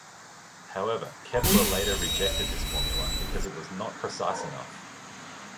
However, Kepler later rejected this formula, because it was not precise enough.